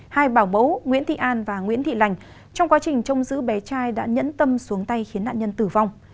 hai bảo mẫu nguyễn thị an và nguyễn thị lành trong quá trình trông giữ bé trai đã nhẫn tâm xuống tay khiến nạn nhân tử vong